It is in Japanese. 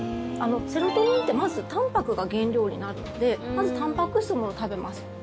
セロトニンってまず、たんぱくが原料になるのでたんぱく質を食べます。